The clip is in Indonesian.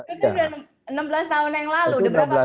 itu udah enam belas tahun yang lalu